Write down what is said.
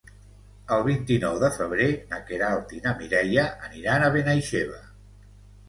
El vint-i-nou de febrer na Queralt i na Mireia aniran a Benaixeve.